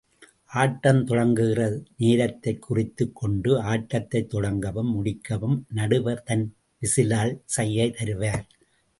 ஆட்டம் தொடங்குகிற நேரத்தைக் குறித்துக் கொண்டு, ஆட்டத்தைத் தொடங்கவும், முடிக்கவும், நடுவர் தன் விசிலால் சைகை தருவார்.